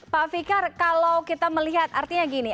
pak fikar kalau kita melihat artinya gini